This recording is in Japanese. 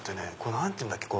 何て言うんだっけ？